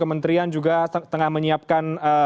kementerian juga tengah menyiapkan